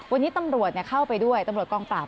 วันนี้ตำรวจเข้าไปด้วยตำรวจกองปราบ